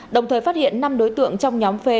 đồng thời phát hiện năm đối tượng trong nhóm phê